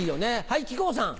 はい木久扇さん。